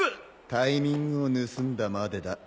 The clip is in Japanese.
タイミングを盗んだまでだ。